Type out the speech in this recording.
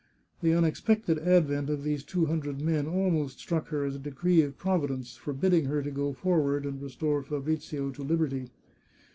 The unexpected advent of these two hun dred men almost struck her as a decree of Providence, for bidding her to go forward, and restore Fabrizio to liberty.